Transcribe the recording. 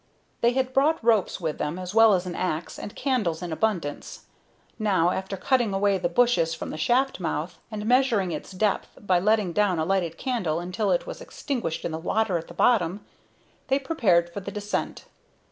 They had brought ropes with them, as well as an axe, and candles in abundance. Now, after cutting away the bushes from the shaft mouth, and measuring its depth by letting down a lighted candle until it was extinguished in the water at the bottom, they prepared for the descent.